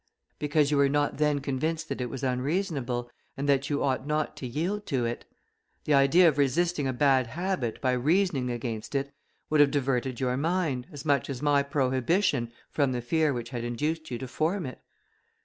"Because you were not then convinced that it was unreasonable, and that you ought not to yield to it. The idea of resisting a bad habit, by reasoning against it, would have diverted your mind, as much as my prohibition, from the fear which had induced you to form it."